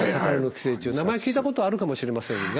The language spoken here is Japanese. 名前は聞いたことあるかもしれませんが。